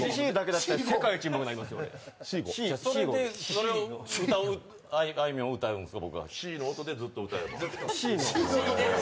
それで僕があいみょんを歌うんですか？